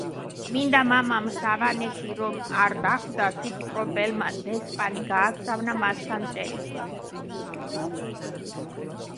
წმინდა მამა სავანეში რომ არ დახვდა, თვითმპყრობელმა დესპანი გაგზავნა მასთან წერილით.